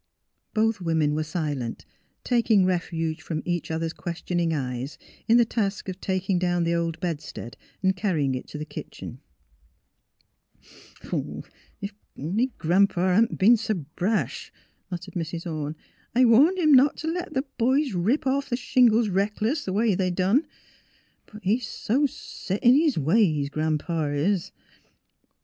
'' Both women were silent, taking refuge from each other's questioning eyes in the task of taking down the old bedstead and carrying it to the kitchen. " If Gran 'pa hadn't b'en s' brash," muttered Mrs. Orne. " T warned him not t' let them boys rip off shingles reckless, th' way they I GEANDMA ORNE SPEAKS HER MIND 217 done. But he's so set in his own way, Gran 'pa is."